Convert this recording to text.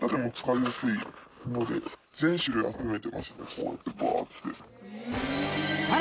こうやってバって。